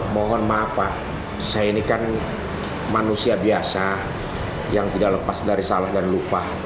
mohon maaf pak saya ini kan manusia biasa yang tidak lepas dari salah dan lupa